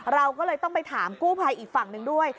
เราก็เลยต้องไปถามกู้ภัยอีกฝั่งหนึ่งด้วย